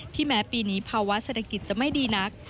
แม้ปีนี้ภาวะเศรษฐกิจจะไม่ดีนัก